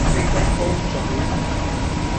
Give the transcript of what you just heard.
O 嘴